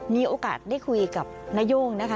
มีโอกาสได้คุยกับนาย่งนะคะ